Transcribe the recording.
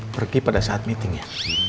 pergi pada saat meetingnya